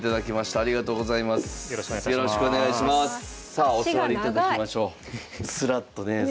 さあお座りいただきましょう。